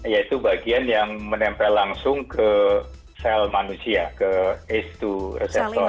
yaitu bagian yang menempel langsung ke sel manusia ke ace dua reseptor